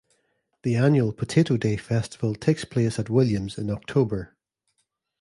The annual Potato Day Festival takes place at Williams in October.